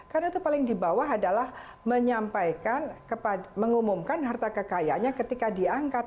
karena itu paling di bawah adalah menyampaikan mengumumkan harta kekayaannya ketika diangkat